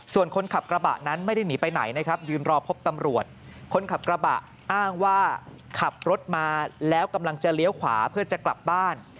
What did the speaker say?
ส่วนคนขับกระบะนั้นไม่ได้หนีไปไหนนะครับยืนรอพบตำรวจคนขับกระบะอ้างว่าขับรถมาแล้วกำลังจะเลี้ยวขวาเพื่อจะกลับบ้าน